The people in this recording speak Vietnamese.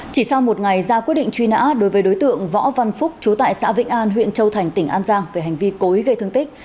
chỉ sau một ngày ra quyết định truy nã đối với đối tượng võ văn phúc chú tại xã vĩnh an huyện châu thành tỉnh an giang về hành vi cố ý gây thương tích